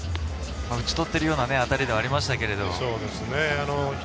打ち取っているような当たりではありましたけど。